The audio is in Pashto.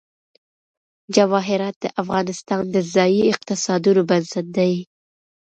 جواهرات د افغانستان د ځایي اقتصادونو بنسټ دی.